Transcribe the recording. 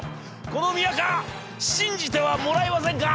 この宮河信じてはもらえませんか！』。